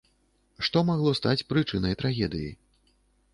Што магло стаць прычынай трагедыі?